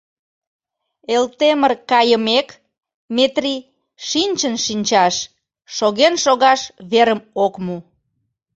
Элтемыр кайымек, Метрий шинчын-шинчаш, шоген-шогаш верым ок му.